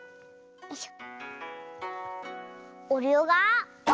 よいしょ。